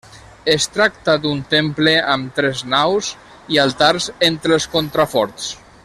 Es tracta d'un temple amb tres naus i altars entre els contraforts.